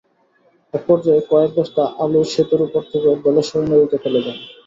একপর্যায়ে কয়েক বস্তা আলু সেতুর ওপর থেকে ধলেশ্বরী নদীতে ফেলে দেন।